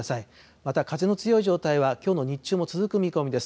また風の強い状態はきょうの日中も続く見込みです。